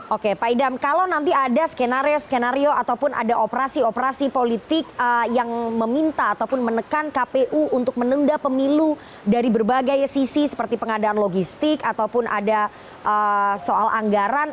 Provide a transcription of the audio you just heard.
oke pak idam kalau nanti ada skenario skenario ataupun ada operasi operasi politik yang meminta ataupun menekan kpu untuk menunda pemilu dari berbagai sisi seperti pengadaan logistik ataupun ada soal anggaran